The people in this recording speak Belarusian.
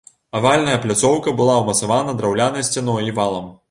Авальная пляцоўка была ўмацавана драўлянай сцяной і валам.